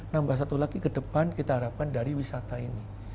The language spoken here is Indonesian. nambah satu lagi kedepan kita harapkan dari wisata ini